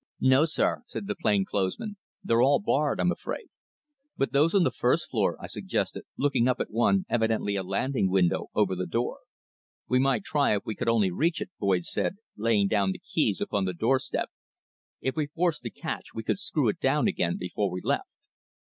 "No, sir," said the plain clothes man. "They're all barred, I'm afraid." "But those on the first floor," I suggested, looking up at one, evidently a landing window, over the door. "We might try if we could only reach it," Boyd said, laying down the keys upon the doorstep. "If we forced the catch we could screw it down again before we left."